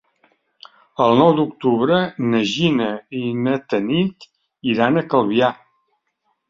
El nou d'octubre na Gina i na Tanit iran a Calvià.